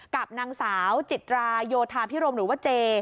กับนางสาวจิตราโยธาพิรมหรือว่าเจ